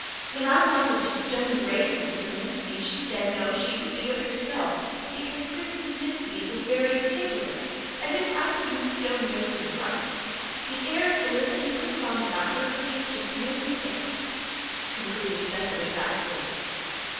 When I wanted to stone the raisins for the mince meat she said, no, she would do it herself, because Christmas mince meat was very particular as if I couldn't stone raisins right! The airs Felicity puts on about her cooking just make me sick," concluded Cecily wrathfully.